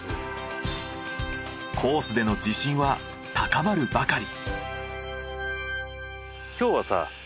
コースでの自信は高まるばかり。